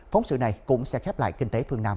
phóng sự này cũng sẽ khép lại kinh tế phương nam